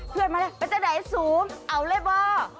เพื่อนมาแล้วไปเจออะไรซูมเอาเลยป่าว